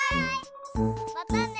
またね！